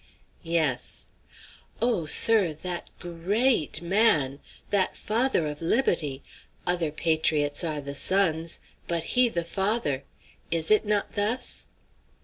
"Yes." "Oh, sir, that grea a at man! That father of libbutty! Other patriots are the sons, but he the father! Is it not thus?"